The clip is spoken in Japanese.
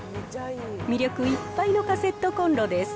魅力いっぱいのカセットコンロです。